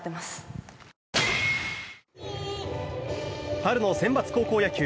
春のセンバツ高校野球。